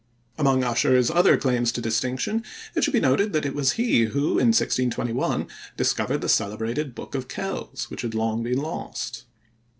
Among Ussher's other claims to distinction, it should be noted that it was he who in 1621 discovered the celebrated Book of Kells, which had long been lost.